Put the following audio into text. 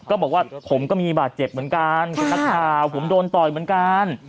ก็บอกว่าผมก็มีบาดเจ็บเหมือนกันคุณนักข่าวผมโดนต่อยเหมือนกัน